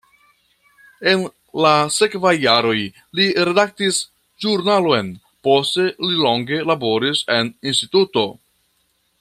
En la sekvaj jaroj li redaktis ĵurnalon, poste li longe laboris en instituto.